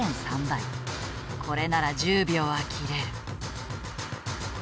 これなら１０秒は切れる。